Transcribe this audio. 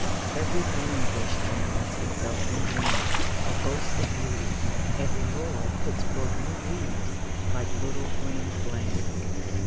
Every thorn bush gowns itself in green, a ghost of beauty. Every laurel puts forth new leaves like little green flames.